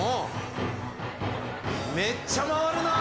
めっちゃ回るなぁ。